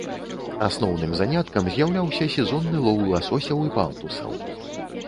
Асноўным заняткам з'яўляўся сезонны лоў ласосяў і палтусаў.